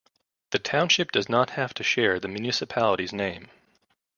The township does not have to share the municipality's name.